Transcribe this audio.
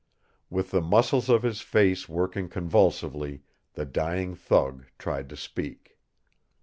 With the muscles of his face working convulsively the dying thug tried to speak.